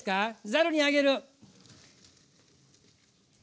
ざるにあげる。